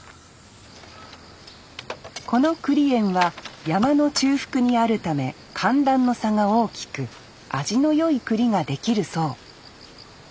この栗園は山の中腹にあるため寒暖の差が大きく味のよい栗ができるそう。